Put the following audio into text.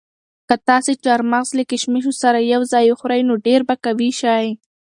که تاسي چهارمغز له کشمشو سره یو ځای وخورئ نو ډېر به قوي شئ.